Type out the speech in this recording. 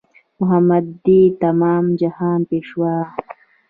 محمد دی د تمام جهان پېشوا